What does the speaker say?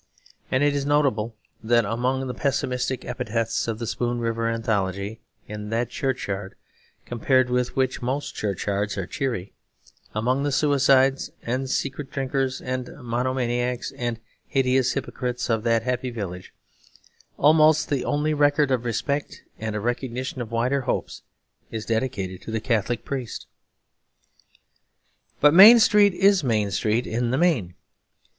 And it is notable that among the pessimistic epitaphs of the Spoon River Anthology, in that churchyard compared with which most churchyards are cheery, among the suicides and secret drinkers and monomaniacs and hideous hypocrites of that happy village, almost the only record of respect and a recognition of wider hopes is dedicated to the Catholic priest. But Main Street is Main Street in the main.